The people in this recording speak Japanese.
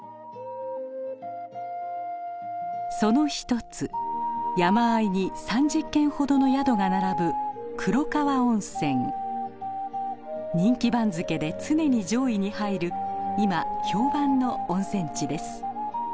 その１つ山あいに３０軒ほどの宿が並ぶ人気番付で常に上位に入る今評判の温泉地です。